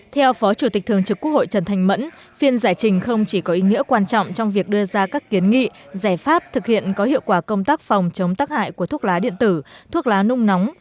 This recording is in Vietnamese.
theo phó chủ tịch thường trực quốc hội trần thanh mẫn phiên giải trình không chỉ có ý nghĩa quan trọng trong việc đưa ra các kiến nghị giải pháp thực hiện có hiệu quả công tác phòng chống tắc hại của thuốc lá điện tử thuốc lá nung nóng